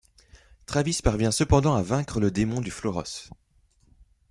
Travis parvient cependant à vaincre le démon du Flauros.